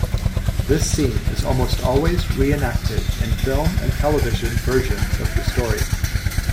This scene is almost always re-enacted in film and television versions of the story.